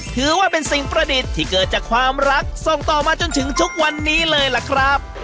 ถือว่าเป็นสิ่งประดิษฐ์ที่เกิดจากความรักส่งต่อมาจนถึงทุกวันนี้เลยล่ะครับ